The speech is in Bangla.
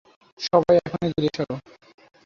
সবাই, এক্ষুণি দূরে সরো!